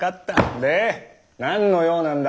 で何の用なんだ。